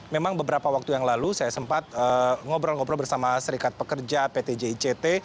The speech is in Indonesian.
memang beberapa waktu yang lalu saya sempat ngobrol ngobrol bersama serikat pekerja pt jict